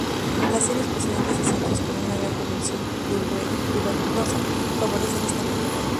Las series procedentes de centros con una gran población tuberculosa favorecen esta enfermedad.